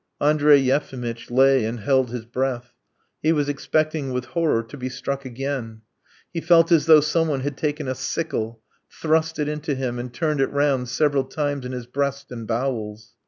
Andrey Yefimitch lay and held his breath: he was expecting with horror to be struck again. He felt as though someone had taken a sickle, thrust it into him, and turned it round several times in his breast and bowels.